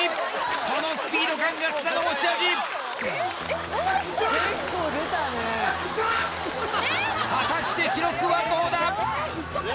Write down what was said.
このスピード感が津田の持ち味果たして記録はどうだ？